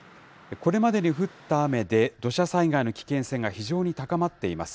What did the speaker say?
これまでに降った雨で、土砂災害の危険性が非常に高まっています。